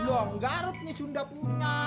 gajeng garet nih sunda purnya